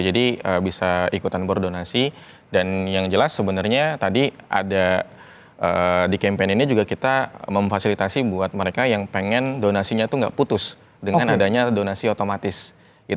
jadi bisa ikutan berdonasi dan yang jelas sebenarnya tadi ada di campaign ini juga kita memfasilitasi buat mereka yang pengen donasinya tuh gak putus dengan adanya donasi otomatis gitu